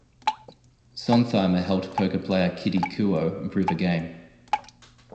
Sontheimer helped poker player Kitty Kuo improve her game.